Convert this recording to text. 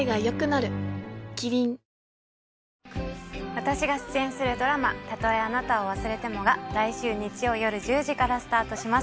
私が出演するドラマたとえあなたを忘れて来週日曜よる１０時からスタートします